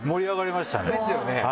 ですよね！